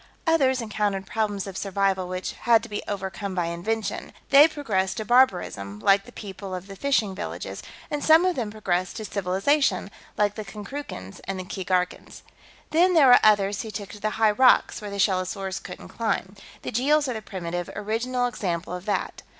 Others encountered problems of survival which had to be overcome by invention. They progressed to barbarism, like the people of the fishing villages, and some of them progressed to civilization, like the Konkrookans and the Keegarkans. "Then, there were others who took to the high rocks, where the shellosaurs couldn't climb. The Jeels are the primitive, original example of that.